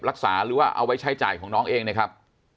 หรือว่าเอาไว้ใช้จ่ายของน้องเองนะครับ